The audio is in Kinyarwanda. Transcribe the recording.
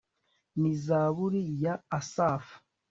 ni zaburi ya asafu